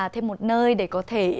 thêm một nơi để có thể